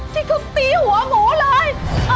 ที่เขาตีหัวโหมูเลย